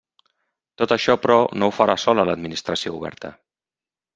Tot això, però, no ho farà sola l'Administració Oberta.